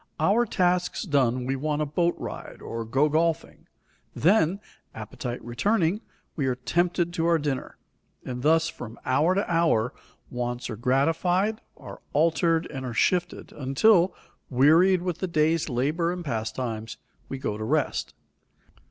Our tasks done, we take a boat ride or go golfing; then, appetite returning, we are tempted to our dinner. And thus from hour to hour wants are gratified, are altered and are shifted, until, wearied with the day's labor and pastimes, we go to rest.